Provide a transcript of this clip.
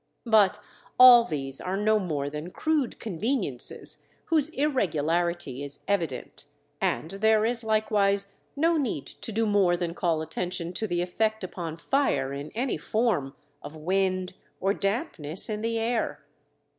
But all these are no more than crude conveniences, whose irregularity is evident, and there is likewise no need to do more than call attention to the effect upon fire in any form, of wind or dampness in the air.